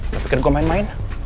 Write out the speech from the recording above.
lu pikir gua main main